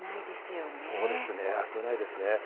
そうですね、危ないですね。